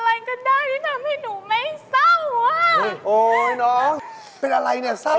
ค่ะเอาอะไรก็ได้ก็จะทำให้หนูไม่เศร้าว่ะ